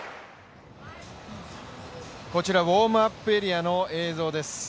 こちらウォームアップエリアの映像です。